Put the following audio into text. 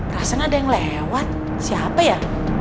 rasanya ada yang lewat siapa ya